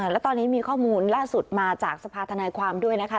แล้วตอนนี้มีข้อมูลล่าสุดมาจากสภาธนายความด้วยนะคะ